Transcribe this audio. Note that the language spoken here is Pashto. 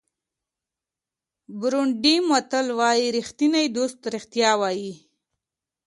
بورونډي متل وایي ریښتینی دوست رښتیا وایي.